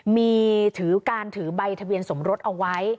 มีถือการถือใบทะเบียนสมรสเอาไว้